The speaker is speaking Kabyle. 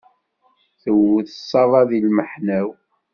Tewwet ṣaba di lmeḥna-w.